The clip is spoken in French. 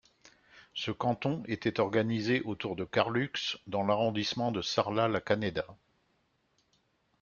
Ce canton était organisé autour de Carlux dans l'arrondissement de Sarlat-la-Canéda.